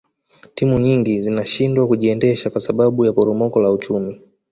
timu nyingi zinashindwa kujiendesha kwa sababu ya poromoko la uchumi